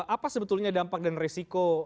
apa sebetulnya dampak dan resiko